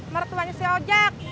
mertuanya si ojek